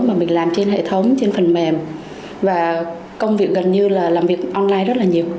mà mình làm trên hệ thống trên phần mềm và công việc gần như là làm việc online rất là nhiều